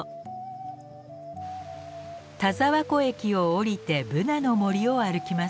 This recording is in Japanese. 田沢湖駅を降りてブナの森を歩きます。